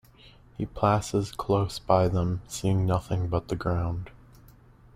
He passes close by them, seeing nothing but the ground.